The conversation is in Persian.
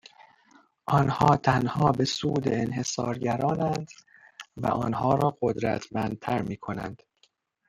آنها تنها به سود انحصارگراناند و آنها را قدرتمندتر میکنند